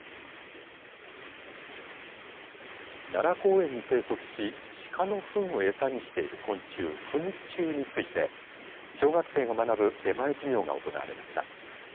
奈良公園に生息し鹿のふんを餌にしている昆虫ふん虫について小学生が学ぶ出前授業が行われました。